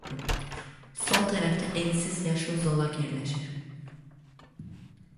Sol tərəfdə ensiz yaşıl zolaq yerləşir.